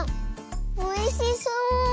おいしそう！